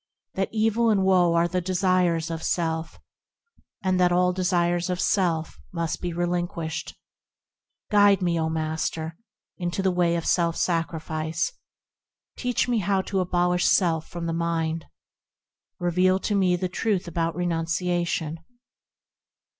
That evil and woe are in the desires of self, And that all the desires of self must be relin guished, Guide me, O Master ! into the way of self sacrifice ; Teach me how to abolish self from the mind; Reveal to me the truth about renunciation.